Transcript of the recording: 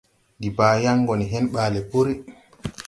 Ndi baa yan go ne hen baale pùrí.